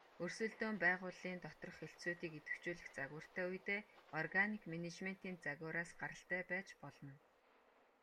Өрсөлдөөн байгууллын доторх хэлтсүүдийг идэвхжүүлэх загвартай үедээ органик менежментийн загвараас гаралтай байж болно.